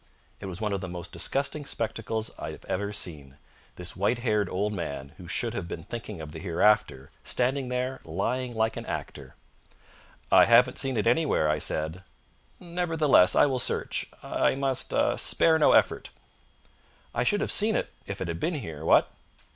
It was one of the most disgusting spectacles I've ever seen this white haired old man, who should have been thinking of the hereafter, standing there lying like an actor. "I haven't seen it anywhere," I said. "Nevertheless, I will search. I must ah spare no effort." "I should have seen it if it had been here what?"